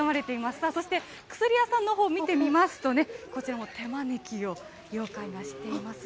さあ、そして、薬屋さんのほう見てみますと、こちらも手招きを、妖怪がしています。